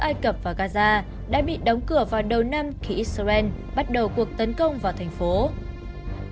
trước đó cửa khẩu rafah giữa ai cập và gaza đã bị đóng cửa vào đầu năm khi israel bắt đầu cuộc tấn công vào thành phố israel